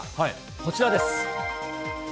こちらです。